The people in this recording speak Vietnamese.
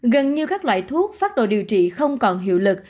gần như các loại thuốc phát đồ điều trị không còn hiệu lực